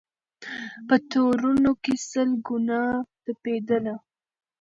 په تورونو کي سل ګونه تپېدله